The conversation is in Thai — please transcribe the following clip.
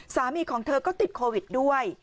สามีของเธอก็ติดโควิดด้วย